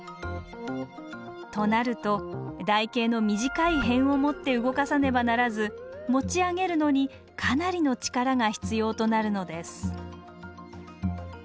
となると台形の短い辺を持って動かさねばならず持ち上げるのにかなりの力が必要となるのです